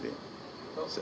jadi sejujurnya pak